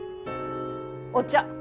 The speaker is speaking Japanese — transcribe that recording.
お茶